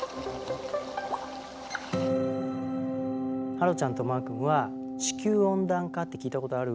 はろちゃんとまーくんは「地球温暖化」って聞いたことある？